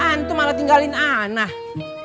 antum malah tinggalin anak